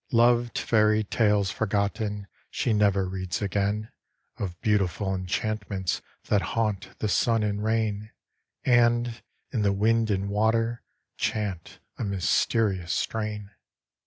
Loved fairy tales forgotten, She never reads again, Of beautiful enchantments That haunt the sun and rain, And, in the wind and water, Chant a mysterious strain.